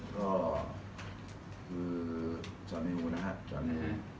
ก็คือเจ้านิวนะฮะเจ้านิว